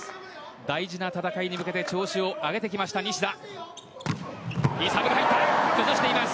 大事な戦いに向けて調子を上げてきました、西田。